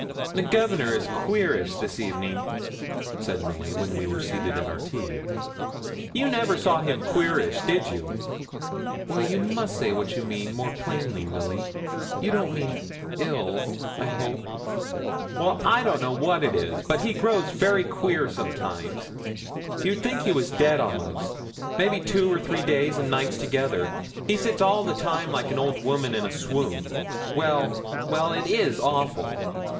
'The Governor is queerish this evening,' said Milly, when we were seated at our tea. 'You never saw him queerish, did you?' 'You must say what you mean, more plainly, Milly. You don't mean ill, I hope?' 'Well! I don't know what it is; but he does grow very queer sometimes you'd think he was dead a'most, maybe two or three days and nights together. He sits all the time like an old woman in a swound. Well, well, it is awful!'